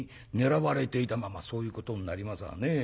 「まあまあそういうことになりますわね。